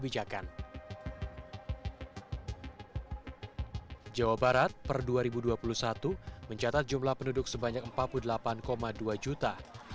jawa barat per dua ribu dua puluh satu mencatat jumlah penduduk sebanyak empat puluh delapan dua juta